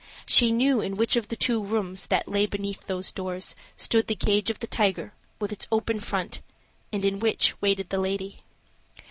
She knew in which of the two rooms, that lay behind those doors, stood the cage of the tiger, with its open front, and in which waited the lady.